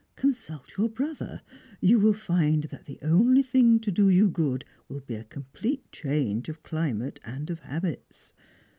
Consult your brother; you will find that the only thing to do you good will be a complete change of climate and of habits.